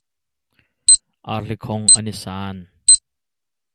Arhlikhong an i san.